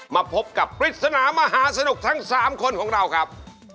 มาพบกับปริศนามหาสนุกทั้ง๓คนของเราครับ